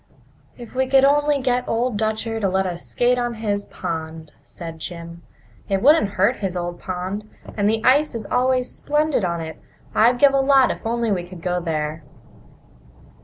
"If we could only get Old Dutcher to let us skate on his pond!" said Jim. "It wouldn't hurt his old pond! And the ice is always splendid on it. I'd give a lot if we could only go there."